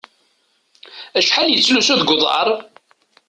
Acḥal yettlusu deg uḍaṛ?